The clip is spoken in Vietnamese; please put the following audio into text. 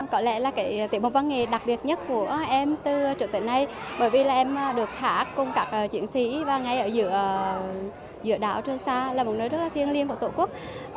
có lẽ là cái tiết mục văn nghệ đặc biệt nhất của em từ trước tới nay bởi vì là em được hát cùng các chiến sĩ và ngay ở giữa đảo trường sa là một nơi rất là thiêng liêng của tổ quốc